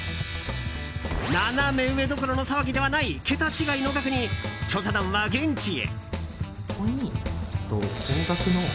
ナナメ上どころの騒ぎではない桁違いの額に調査団は現地へ。